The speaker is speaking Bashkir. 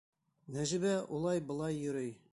Нәжибә улай-былай йөрөй.